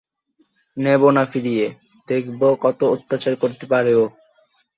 নেব না ফিরিয়ে– দেখব কত অত্যাচার করতে পারে ও!